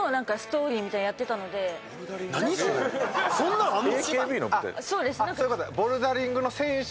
そんなんあんの！？